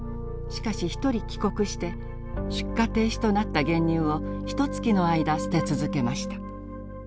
しかし一人帰国して出荷停止となった原乳をひとつきの間捨て続けました。